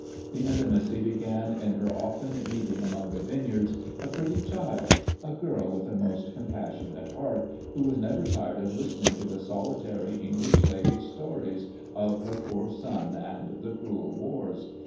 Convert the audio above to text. The intimacy began in her often meeting among the vineyards a pretty child, a girl with a most compassionate heart, who was never tired of listening to the solitary English lady's stories of her poor son and the cruel wars.